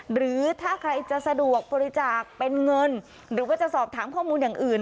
หรือถ้าใครจะสะดวกบริจาคเป็นเงินหรือว่าจะสอบถามข้อมูลอย่างอื่น